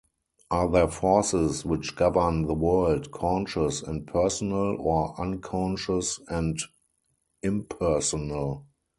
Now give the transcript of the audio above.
Are the forces which govern the world conscious and personal, or unconscious and impersonal?